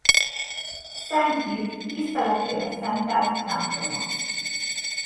Szent Vid tiszteletére szentelt temploma.